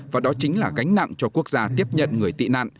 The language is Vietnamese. và đó chính là gánh nặng cho quốc gia tiếp nhận người tị nạn